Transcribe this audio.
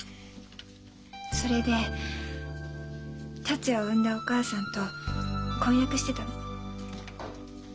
それで達也を産んだお母さんと婚約してたの。